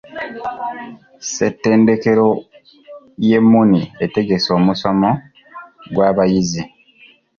Ssettendekero y'e Muni etegese omusomo gw'abayizi.